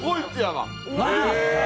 マジですか？